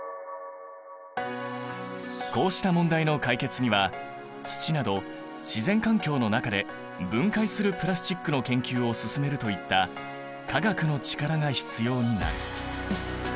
こうした問題の解決には土など自然環境の中で分解するプラスチックの研究を進めるといった化学の力が必要になる。